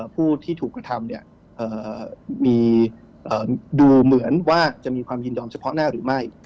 ผู้ที่ถูกกระทำดูเหมือนว่าจะมีความยินยอมเฉพาะหน้าหรือไม่